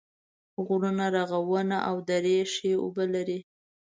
غرونه، رغونه او درې ښې اوبه لري